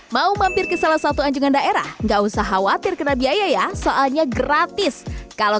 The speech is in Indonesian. mau mampir ke salah satu anjungan daerah enggak usah khawatir kena biaya ya soalnya gratis kalau